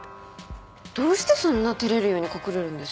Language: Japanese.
どうしてそんな照れるように隠れるんですか？